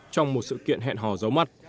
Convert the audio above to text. trong một sự kiện hẹn hò giấu mặt